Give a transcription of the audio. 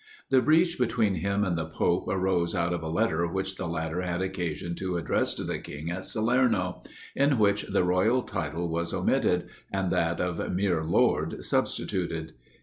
The breach between him and the pope arose out of a letter which the latter had occasion to address to the king at Salerno, in which the royal title was omitted, and that of mere lord substituted.